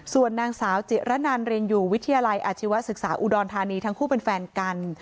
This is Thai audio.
ส่วนนางสาวจิระนันเรียนอยู่วิทยาลัยอาชีวศึกษาอุดรธานีทั้งคู่เป็นแฟนกัน